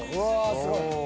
すごい！